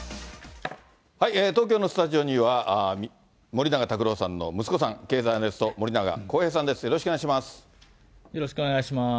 東京のスタジオには、森永卓郎さんの息子さん、経済アナリスト、森永康平さんです、よろしくお願いします。